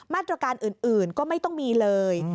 มาตรการอื่นก็ไม่ต้องมีเลย